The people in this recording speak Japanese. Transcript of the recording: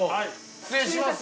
失礼します。